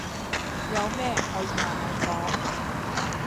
有咩可以慢慢講